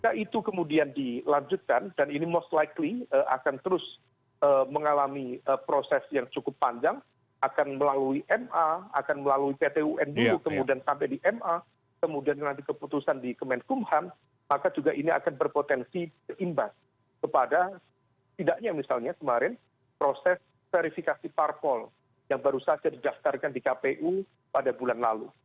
dan jika itu kemudian dilanjutkan dan ini most likely akan terus mengalami proses yang cukup panjang akan melalui ma akan melalui pt unbu kemudian sampai di ma kemudian nanti keputusan di kemenkumhan maka juga ini akan berpotensi keimbas kepada tidaknya misalnya kemarin proses verifikasi parpol yang baru saja didaftarkan di kpu pada bulan lalu